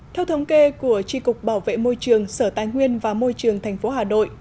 theo thống kê của tri cục bảo vệ môi trường sở tài nguyên và môi trường tp hà nội